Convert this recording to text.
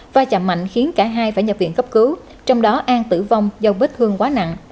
và chạm mạnh khiến cả hai phải nhập viện cấp cứu trong đó an tử vong do vết thương quá nặng